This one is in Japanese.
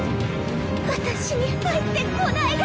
私に入ってこないで！